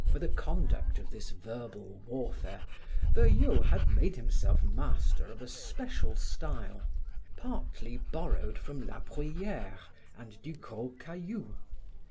For the conduct of this verbal warfare, Veuillot had made himself master of a special style, partly borrowed from La Bruyere and Du Gros Caillou.